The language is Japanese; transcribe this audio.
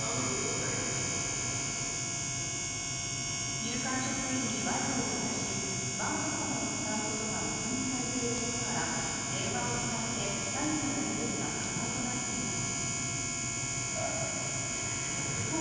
入管職員に賄賂を渡し、スマートフォンを使うことが黙認されていることから、電話を使って詐欺のやり取りが可能となっています。